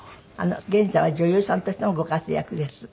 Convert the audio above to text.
現在は女優さんとしてもご活躍です。